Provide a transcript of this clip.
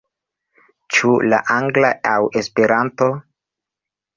Ĉu la angla aŭ Esperanto?